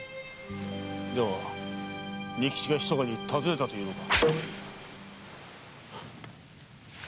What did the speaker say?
では仁吉が密かに訪ねたというのか？